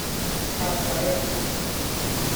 嚇鬼呀?